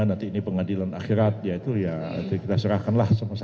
nanti ini pengadilan akhirat ya itu ya nanti kita serahkanlah sama sama